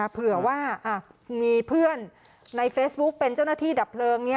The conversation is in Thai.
เผื่อว่ามีเพื่อนในเฟซบุ๊คเป็นเจ้าหน้าที่ดับเพลิง